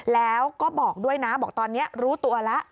แล้วก็บอกด้วยนะบอกตอนนี้รู้ตัวแล้ว